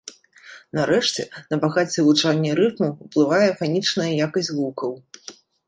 Нарэшце, на багацце гучання рыфмаў уплывае фанічная якасць гукаў.